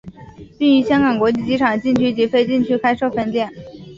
并于香港国际机场禁区及非禁区开设分店。